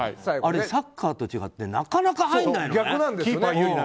あれ、サッカーと違ってなかなか入んないのね。